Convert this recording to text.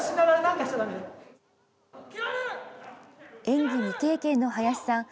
演技未経験の林さん。